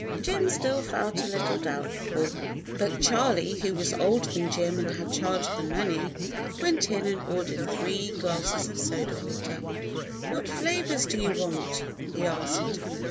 Jim still felt a little doubtful, but Charley, who was older than Jim and had charge of the money, went in and ordered three glasses of soda water. "What flavors do you want?" he asked.